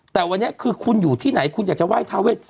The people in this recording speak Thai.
แต่วันนี้คือคุณอยู่ที่ไหนคุณอยากจะไหว้ทาเวท